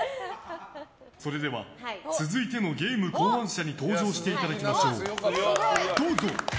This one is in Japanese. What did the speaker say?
それでは続いてのゲーム考案者に登場していただきましょう。